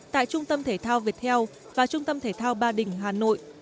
tại trung tâm thể thao việt heo và trung tâm thể thao ba đình hà nội